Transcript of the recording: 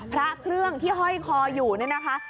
พระเครื่องที่ห้อยคออยู่นี่นะคะ